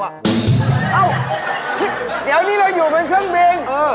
เอ้าเดี๋ยวนี้เราอยู่เป็นเครื่องบิน